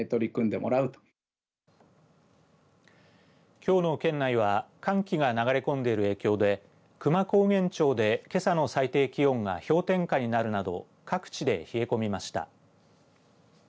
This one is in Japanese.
きょうの県内は寒気が流れ込んでいる影響で久万高原町でけさの最低気温が氷点下になるなど各地で冷え込みました。